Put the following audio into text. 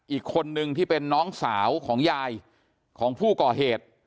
อีกคนนึงที่เป็นน้องสาวของยายของผู้ก่อเหตุ